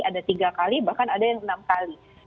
ada tiga kali bahkan ada yang enam kali